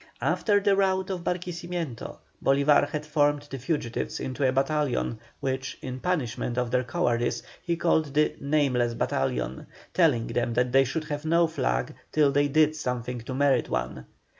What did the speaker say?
After the rout of Barquisimeto, Bolívar had formed the fugitives into a battalion, which, in punishment of their cowardice, he called the "Nameless Battalion," telling them that they should have no flag till they did something to merit one.